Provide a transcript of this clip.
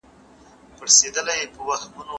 ده د نظم له لارې ازادي ساتله.